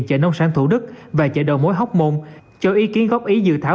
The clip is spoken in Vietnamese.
chợ nông sản thủ đức và chợ đầu mối hóc môn cho ý kiến góp ý dự thảo